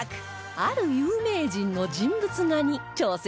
ある有名人の人物画に挑戦です